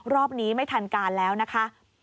รอบนี้ไม่ทันการแล้วนะคะ